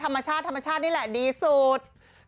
ธรรมชาติธรรมชาตินี่แหละดีสุด